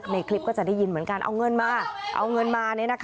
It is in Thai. ในคลิปก็จะได้ยินเหมือนกันเอาเงินมาเอาเงินมา